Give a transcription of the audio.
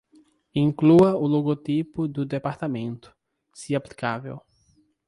Inclua o logotipo do departamento, se aplicável.